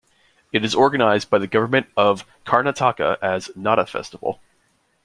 It is organized by the Government of Karnataka as "Nada Festival".